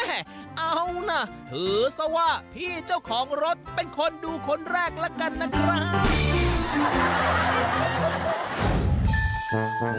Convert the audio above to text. เอานะถือซะว่าพี่เจ้าของรถเป็นคนดูคนแรกแล้วกันนะครับ